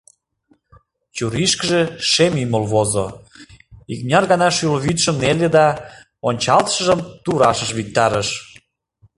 Чурийышкыже шем ӱмыл возо, икмыняр гана шӱвылвӱдшым неле да ончалтышыжым туврашыш виктарыш.